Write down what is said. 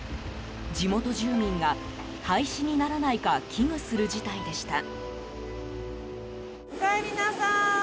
地元住民が、廃止にならないか危惧する事態でした。